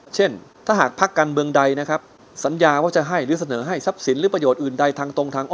เช่นถ้าหากพักการเมืองใดนะครับสัญญาว่าจะให้สร็ปสินหรือประโยชน์ใดทั้งตรงทั้ง